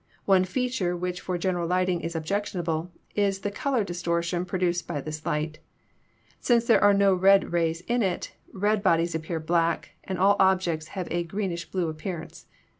One feature, which for gen eral lighting is objectionable, is the color distortion pro duced by this light. Since there are no red rays in it, red bodies appear black, and all objects have a greenish blue appearance.